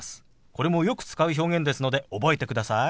これもよく使う表現ですので覚えてください。